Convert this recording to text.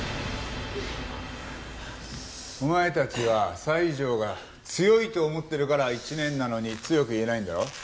お前たちは西条が強いと思ってるから１年なのに強く言えないんだろ？